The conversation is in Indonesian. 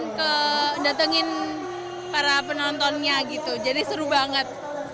jalan jalan datengin para penontonnya gitu jadi seru banget